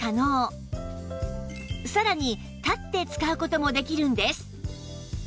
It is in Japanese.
さらに立って使う事もできるんです